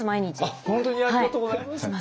あっ本当にありがとうございます。